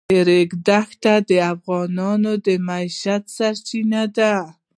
د ریګ دښتې د افغانانو د معیشت سرچینه ده.